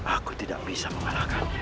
aku tidak bisa mengalahkannya